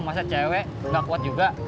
masa cewek gak kuat juga